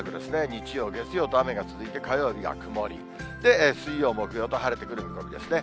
日曜、月曜と雨が続いて、火曜日は曇り、水曜、木曜と晴れてくる見込みですね。